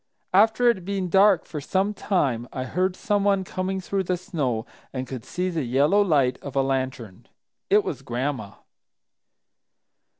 After it had been dark for some time, I heard someone coming through the snow and could see the yellow light of a lantern. It was Gran'ma.